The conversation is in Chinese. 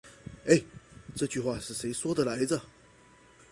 欸，这句话是谁说的来着。